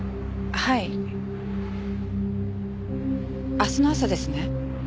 明日の朝ですね？